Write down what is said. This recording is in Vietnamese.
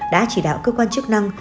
đã chỉ đạo cơ quan chức năng